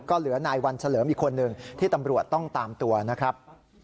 ก็เหลือนายวันเฉลิมอีกคนนึงที่ตำรวจต้องตามตัวนะครับ